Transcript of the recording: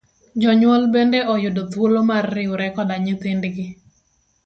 Jonyuol bende oyudo thuolo mar riwre koda nyithind gi.